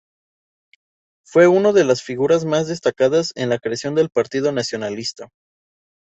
Fue uno de las figuras más destacadas en la creación del partido nacionalista.